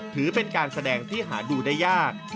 ถือเป็นการแสดงที่หาดูได้ยาก